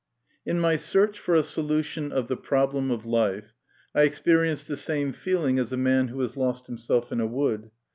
In my search for a solution of the problem of life I experienced the same feeling as a man who has lost himself in a wood.